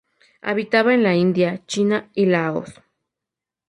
Habita en la India, China y Laos.